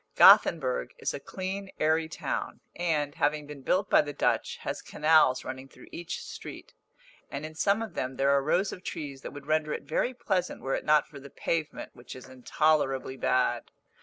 Gothenburg is a clean airy town, and, having been built by the Dutch, has canals running through each street; and in some of them there are rows of trees that would render it very pleasant were it not for the pavement, which is intolerably bad.